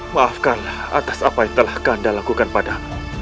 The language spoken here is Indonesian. maafkanlah atas apa yang telah kanda lakukan padamu